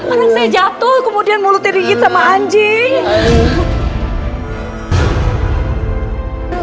orang saya jatuh kemudian mulutnya digigit sama anjing